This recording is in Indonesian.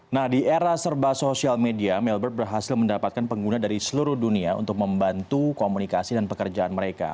nah di era serba sosial media mailbird berhasil mendapatkan pengguna dari seluruh dunia untuk membantu komunikasi dan pekerjaan mereka